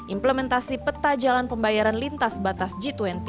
implementasi peta jalan pembayaran lintas batas g dua puluh